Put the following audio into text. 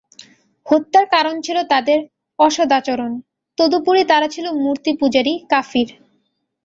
হত্যার কারণ ছিল তাদের অসদাচরণ, তদুপরি তারা ছিল মূর্তিপূজারী, কাফির।